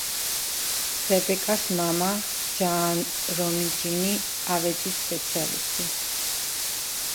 რებეკას მამა, ჯააპ რომიჯინი, ავეჯის სპეციალისტი.